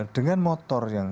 dengan motor yang